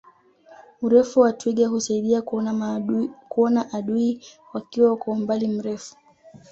urefu wa twiga husaidia kuona adui wakiwa kwa umbali mrefu